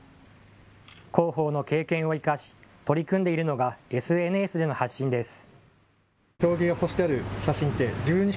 広報の経験を生かし取り組んでいるのがＳＮＳでの発信です。